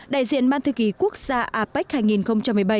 đại diện ban thư ký quốc gia apec hai nghìn một mươi bảy